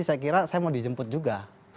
saya kira saya mau dijemput juga